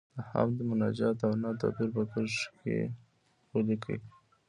د حمد، مناجات او نعت توپیر په کرښو کې ولیکئ.